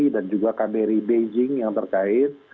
dan juga kbri beijing yang terkait